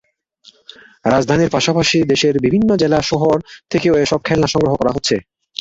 রাজধানীর পাশাপাশি দেশের বিভিন্ন জেলা শহর থেকেও এসব খেলনা সংগ্রহ করা হচ্ছে।